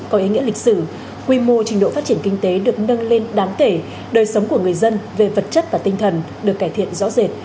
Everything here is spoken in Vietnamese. có ý nghĩa lịch sử quy mô trình độ phát triển kinh tế được nâng lên đáng kể đời sống của người dân về vật chất và tinh thần được cải thiện rõ rệt